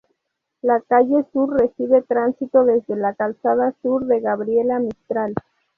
La calle sur recibe tránsito desde la calzada sur de Gabriela Mistral.